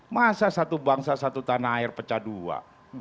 masa satu bangsa satu tanah air pecah dua